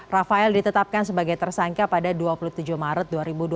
rafael ditetapkan sebagai tersangka pada dua puluh tujuh maret dua ribu dua puluh